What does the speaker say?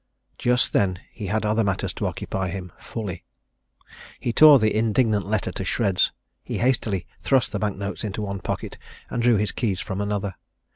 Just then he had other matters to occupy him fully. He tore the indignant letter to shreds; he hastily thrust the bank notes into one pocket and drew his keys from another.